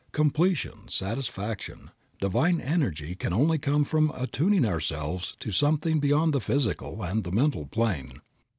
Completion, satisfaction, divine energy can only come from attuning ourselves to something beyond the physical and the mental plane.